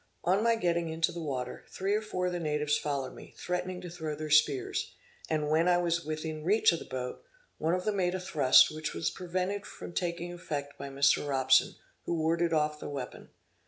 On my getting into the water, three or four of the natives followed me, threatening to throw their spears, and when I was within reach of the boat, one of them made a thrust, which was prevented from taking effect by Mr. Robson, who warded off the weapon.